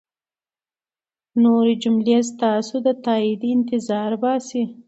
نورې جملې ستاسو د تایید انتظار باسي.